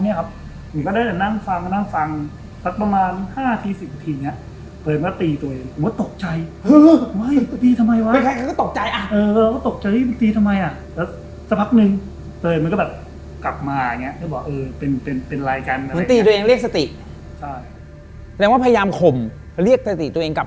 กลายคลิปกับกลายอะไรประมาณเนี่ยครับ